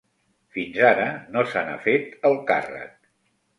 Fins ara, no se n'ha fet el càrrec.